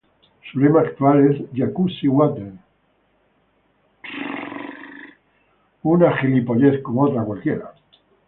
Su lema actual es: "Jacuzzi: Water that moves you.